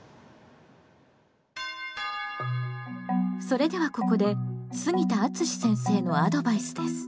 それではここで杉田敦先生のアドバイスです。